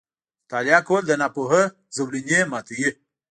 • مطالعه کول، د ناپوهۍ زولنې ماتوي.